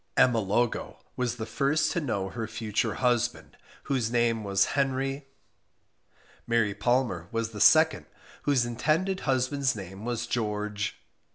Emma Logo was the first to know her future husband, whose name was Henry . Mary Palmer was the second, whose intended husband's name was George